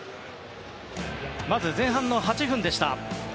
まず前半８分でした。